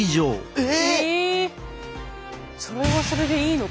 それはそれでいいのか？